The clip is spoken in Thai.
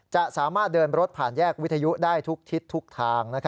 จะสามารถเดินรถผ่านแยกวิทยุได้ทุกทิศทุกทาง